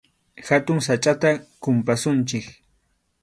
Hatun sachʼata kumpasunchik.